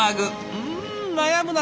うん悩むなあ。